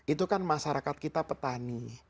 itu kan masyarakat kita petani